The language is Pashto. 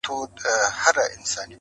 شپې تر سهاره یې سجدې کولې -